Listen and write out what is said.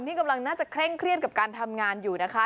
ที่กำลังน่าจะเคร่งเครียดกับการทำงานอยู่นะคะ